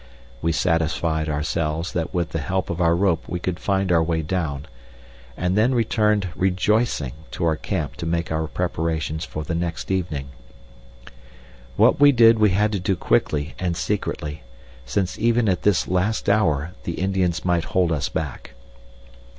We satisfied ourselves that with the help of our rope we could find our way down, and then returned, rejoicing, to our camp to make our preparations for the next evening. What we did we had to do quickly and secretly, since even at this last hour the Indians might hold us back.